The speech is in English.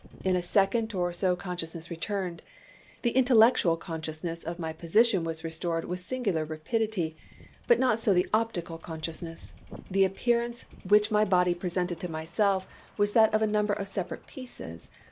In a second or so consciousness returned. The intellectual consciousness of my position was restored with singular rapidity, but not so the optical consciousness. The appearance which my body presented to myself was that of a number of separate pieces.